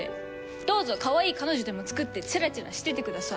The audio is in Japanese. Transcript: どうぞかわいい彼女でも作ってチャラチャラしててください。